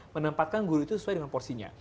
menempatkan guru itu sesuai dengan porsinya